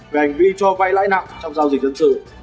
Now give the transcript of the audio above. về hành vi cho vay lãi nặng trong giao dịch dân sự